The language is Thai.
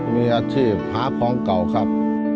เมียชื่อพระของเก่าครับ